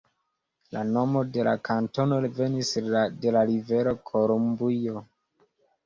La nomo de la kantono venis de la rivero Kolumbio.